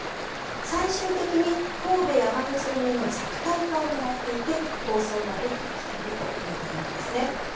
最終的に神戸山口組の弱体化を狙っていて抗争が激化しているということなんですね。